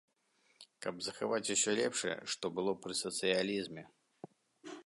Каб захаваць усё лепшае, што было пры сацыялізме.